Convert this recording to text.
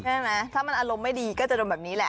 ใช่ไหมถ้ามันอารมณ์ไม่ดีก็จะโดนแบบนี้แหละ